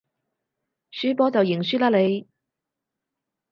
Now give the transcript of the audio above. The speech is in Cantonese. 輸波就認輸啦你